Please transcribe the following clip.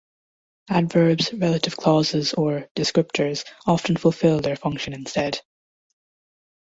Adverbs, relative clauses, or 'descriptors', often fulfil their function instead.